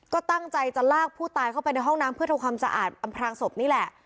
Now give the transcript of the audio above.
ก็ตั้งใจจะลากผู้ตายเข้าไปในห้องน้ำเพื่อทำความสะอาดอำพรางศพนี่แหละ